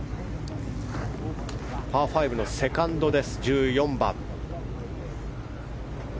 パー５のセカンド、１４番。